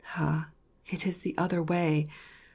Ah, it is the other way !